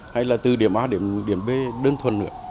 hay là từ điểm a đến điểm b đơn thuần nữa